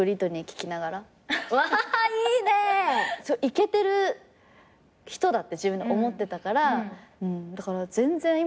イケてる人だって自分で思ってたからだから全然今と違う。